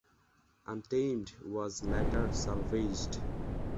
"Untamed" was later salvaged.